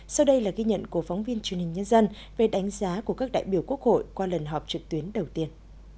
sau đây là ghi nhận của phóng viên truyền hình nhân dân về đánh giá của các đại biểu quốc hội qua lần họp trực tuyến đầu tiên